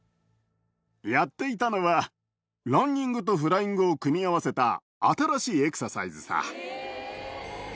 やっていたのはランニングとフライングを組み合わせた新しいエクササイズさ。